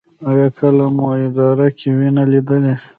ایا کله مو ادرار کې وینه لیدلې؟